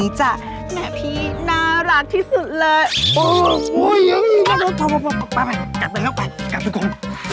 ปล่อยพี่ถือก่อน